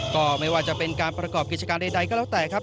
ก็ไม่ว่าจะเป็นการประกอบกิจการใดก็แล้วแต่ครับ